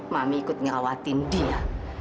mami ikut ngerawatin dia